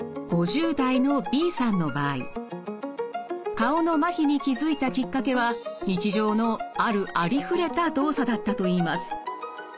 顔のまひに気付いたきっかけは日常のあるありふれた動作だったといいます。